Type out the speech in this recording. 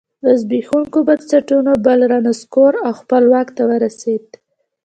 له زبېښونکو بنسټونو بل رانسکور او خپله واک ته ورسېږي.